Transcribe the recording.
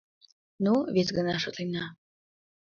Ну, вес гана шотлена.